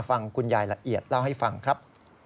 ฟังคุณยายละเอียดเล่าให้ฟังครับ